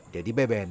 dedy beben bekasi